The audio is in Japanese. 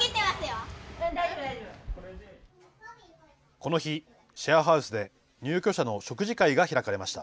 この日、シェアハウスで入居者の食事会が開かれました。